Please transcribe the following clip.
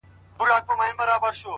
• زه مي د شرف له دایرې وتلای نه سمه..